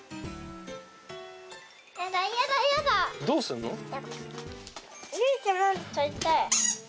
どうすんの？